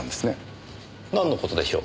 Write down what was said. なんの事でしょう？